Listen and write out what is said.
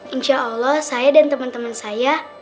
insya allah saya dan temen temen saya